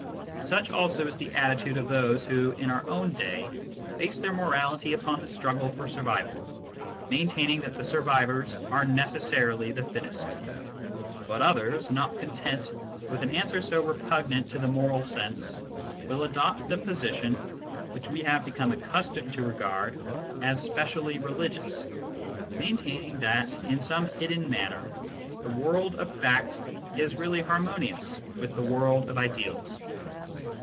Such also is the attitude of those who, in our own day, base their morality upon the struggle for survival, main taining that the survivors are necessarily the fittest. But others, not content with an answer so repugnant to the moral sense, will adopt the position which we have become accustomed to regard as specially religious, maintaining that, in some hidden manner, the world of fact is really harmonious with the world of ideals.